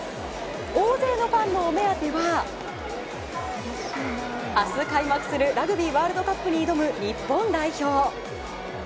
大勢のファンのお目当ては明日開幕するラグビーワールドカップに挑む日本代表。